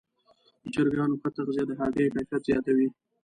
د چرګانو ښه تغذیه د هګیو کیفیت زیاتوي.